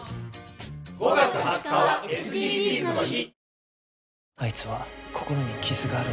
５月２０日はＳＤＧｓの日